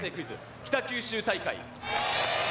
北九州大会。